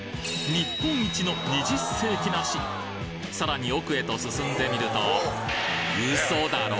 日本一の二十世紀梨さらに奥へと進んでみるとウソだろ？